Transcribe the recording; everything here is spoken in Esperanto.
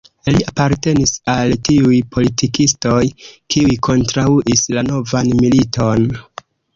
Li apartenis al tiuj politikistoj, kiuj kontraŭis la novan militon.